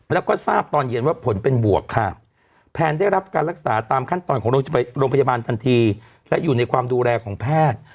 แล้วก็ทราบตอนเย็นว่าผลเป็นบวกค่ะแพนได้รับการรักษาตามขั้นตอนของโรงพยาบาลทันทีและอยู่ในความดูแลของแพทย์